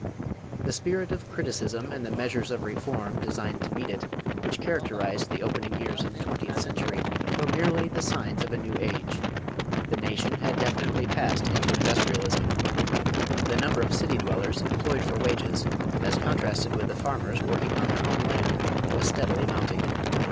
= The spirit of criticism and the measures of reform designed to meet it, which characterized the opening years of the twentieth century, were merely the signs of a new age. The nation had definitely passed into industrialism. The number of city dwellers employed for wages as contrasted with the farmers working on their own land was steadily mounting.